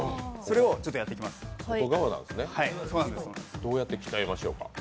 どうやって鍛えましょうか。